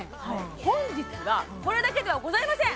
本日はこれだけではございません